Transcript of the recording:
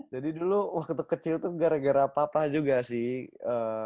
jadi dulu waktu kecil tuh gara gara papa juga sih